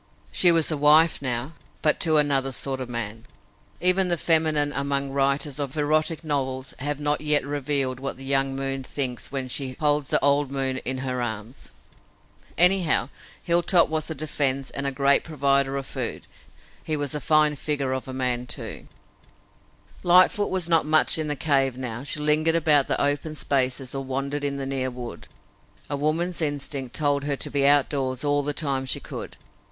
She was a wife now, but to another sort of man. Even the feminine among writers of erotic novels have not yet revealed what the young moon thinks when she "holds the old moon in her arms." Anyhow, Hilltop was a defense and a great provider of food. He was a fine figure of a man, too. [Illustration: THE GIRL COWERED BEHIND A REFUGE OF LEAVES AND BRANCHES] Lightfoot was not much in the cave now. She lingered about the open space or wandered in the near wood. A woman's instinct told her to be out doors all the time she could.